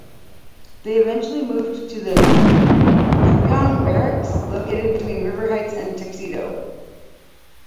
They eventually moved to the Kapyong Barracks located between River Heights and Tuxedo.